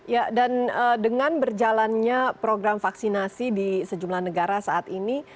ya dan dengan berjalannya program vaksinasi di sejumlah negara saat ini